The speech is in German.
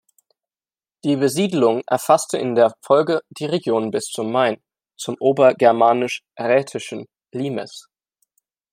Die Besiedlung erfasste in der Folge die Regionen bis zum Main, zum Obergermanisch-Raetischen Limes.